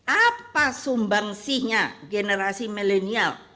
apa sumbangsihnya generasi milenial